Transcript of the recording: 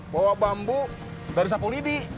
bawa bambu dari sapulidi